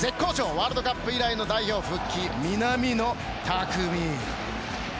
ワールドカップ以来の代表復帰南野拓実。